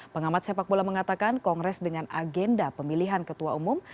pengamat sepak bola mengatakan kongres dengan agenda pemilihan ketua umum